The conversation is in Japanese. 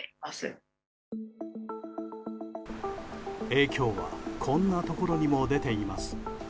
影響はこんなところにも出ています。